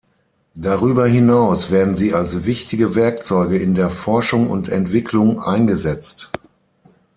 Darüber hinaus werden sie als wichtige Werkzeuge in der Forschung und Entwicklung eingesetzt.